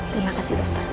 terima kasih dokter